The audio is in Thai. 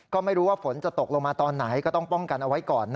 ก็ไม่รู้ว่าฝนจะตกลงมาตอนไหนก็ต้องป้องกันเอาไว้ก่อน